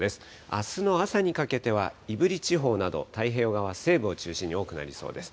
あすの朝にかけては、胆振地方など太平洋側西部を中心に多くなりそうです。